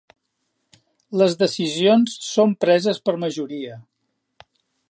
Les decisions són preses per majoria.